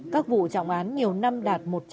các vụ trọng án nhiều năm đạt một trăm linh